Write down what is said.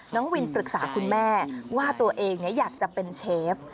น้องวินปรึกษาคุณแม่ว่าตัวเองอยากจะเป็นเชฟ